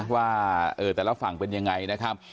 ว่าแต่ละฝั่งเป็นยังไงนะครับ